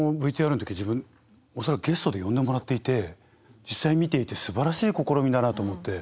このＶＴＲの時自分恐らくゲストで呼んでもらっていて実際見ていてすばらしい試みだなと思って。